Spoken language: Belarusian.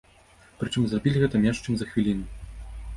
Прычым зрабілі гэта менш чым за хвіліну.